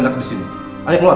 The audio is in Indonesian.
sudah senang di sini ayo keluar